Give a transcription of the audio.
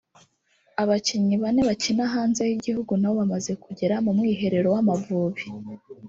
abakinnyi bane bakina hanze y’igihugu nabo bamaze kugera mu mwiherero w’Amavubi